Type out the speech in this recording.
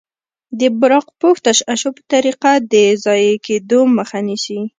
د براق پوښ تشعشع په طریقه د ضایع کیدو مخه نیسي.